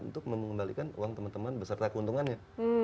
untuk mengembalikan uang teman teman beserta keuntungannya